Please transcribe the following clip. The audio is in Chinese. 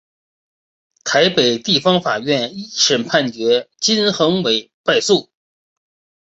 台北地方法院一审判决金恒炜败诉。